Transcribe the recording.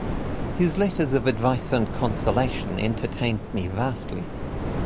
His letters of advice and consolation entertained me vastly.